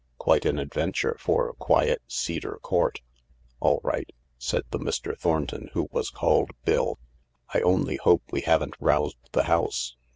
Quite an adventure for quiet Cedar Court." "All right," said the Mr. Thornton who was called Bill. " I only hope we haven't roused the house.